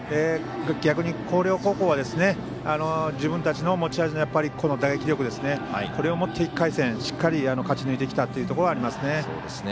逆に広陵高校は自分たちの持ち味のこの打撃力を持って１回戦しっかり勝ちぬいてきたところはありますね。